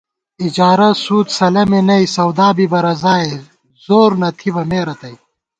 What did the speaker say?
اِجارہ ، سُود سلَمے نئ ، سَودا بِبہ رضائے ، زور نہ تھِبہ مے رتئ